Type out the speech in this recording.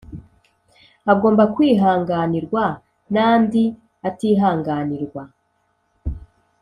agomba kwihanganirwa n’andi atihanganirwa.